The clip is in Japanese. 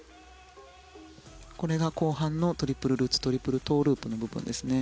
これが後半のトリプルルッツトリプルトウループの部分ですね。